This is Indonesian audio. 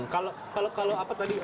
kalau pasukan anti anarkis tadi